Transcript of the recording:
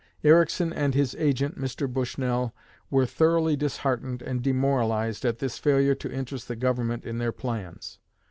Ericsson and his agent, Mr. Bushnell, were thoroughly disheartened and demoralized at this failure to interest the Government in their plans.